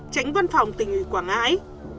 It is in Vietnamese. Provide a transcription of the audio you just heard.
tránh văn phòng tỉnh huyện quảng ngãi